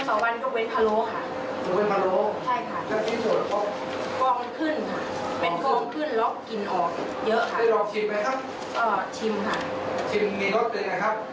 ชิมมีรสเป็นไงครับ